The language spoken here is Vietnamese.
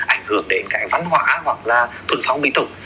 ảnh hưởng đến cái văn hóa hoặc là thuần phong bình thục